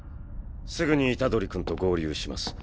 すぐに虎杖君と合流します。